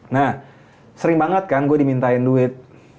nah sering banget kan gue dimintain duit